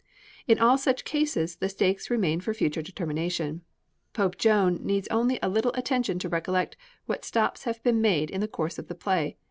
In all such cases the stakes remain for future determination. Pope Joan needs only a little attention to recollect what stops have been made in the course of the play.